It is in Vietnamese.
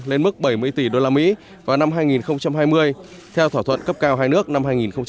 lên mức bảy mươi tỷ đô la mỹ vào năm hai nghìn hai mươi theo thỏa thuận cấp cao hai nước năm hai nghìn một mươi ba